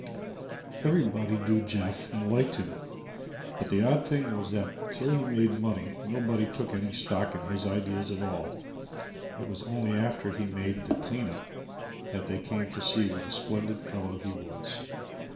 Everybody knew Jeff and liked him, but the odd thing was that till he made money nobody took any stock in his ideas at all. It was only after he made the "clean up" that they came to see what a splendid fellow he was.